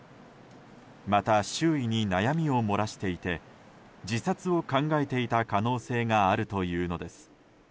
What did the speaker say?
また、周囲に悩みを漏らしていて自殺を考えていた可能性があるというのです。